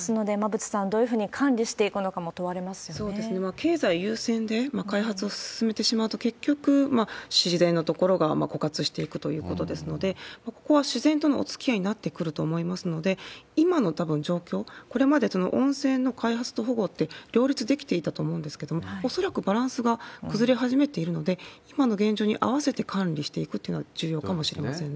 経済優先で開発を進めてしまうと、結局、自然の所が枯渇していくということですので、ここは自然とのつきあいになってくると思いますので、今のたぶん状況、これまで温泉の開発と保護って両立できていたと思うんですけれども、恐らくバランスが崩れ始めているので、今の現状に合わせて管理していくというのは重要かもしれませんね。